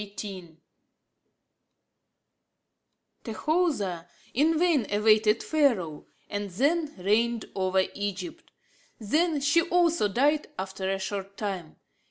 XVIII Tahoser in vain awaited Pharaoh, and then reigned over Egypt. Then she also died after a short time.